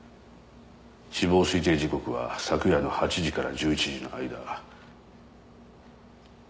死亡推定時刻は昨夜の８時から１１時の間。